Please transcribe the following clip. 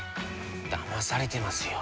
だまされてますよ。